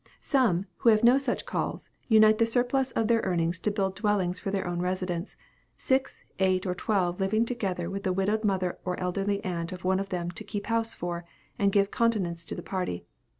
Some, who have no such calls, unite the surplus of their earnings to build dwellings for their own residence, six, eight, or twelve living together with the widowed mother or elderly aunt of one of them to keep house for, and give countenance to the party.